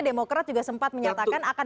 demokrat juga sempat menyatakan akan